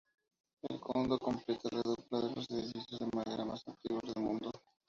El kondo completa la dupla de los edificios de madera más antiguos del mundo.